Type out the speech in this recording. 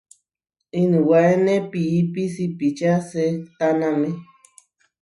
Inuwáene piípi sipičá sehtáname.